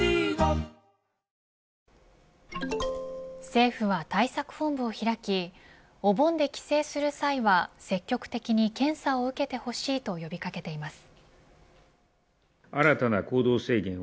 政府は対策本部を開きお盆で帰省する際は積極的に検査を受けてほしいと呼び掛けています。